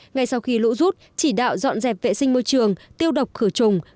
ngay sau khi lũ rút chỉ đạo dọn dẹp vệ sinh môi trường tiêu độc khử trùng